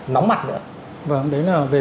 nóng mặt nữa vâng đấy là về